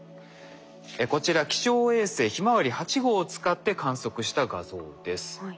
こちら気象衛星ひまわり８号を使って観測した画像です。